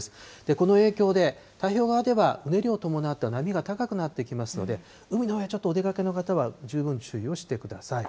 この影響で、太平洋側ではうねりを伴った波が高くなってきますので、海のほうへちょっとお出かけの方は十分注意をしてください。